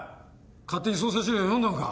勝手に捜査資料読んだのか？